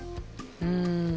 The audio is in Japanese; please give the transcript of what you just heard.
うん。